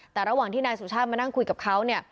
แต่ระหว่างที่นายสุชาติมานั่งคุยกับเขาเนี่ย